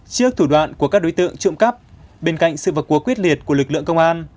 trước thủ đoạn của các đối tượng trộm cắp bên cạnh sự vật cuộc quyết liệt của lực lượng công an